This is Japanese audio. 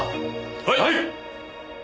はい！